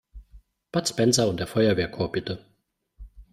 Bud Spencer und der Feuerwehrchor, bitte!